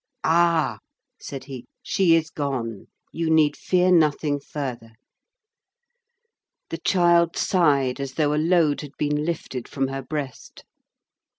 "Ah!" said he, "she is gone. You need fear nothing further." The child sighed as though a load had been lifted from her breast.